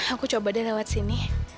aku coba deh lewat sini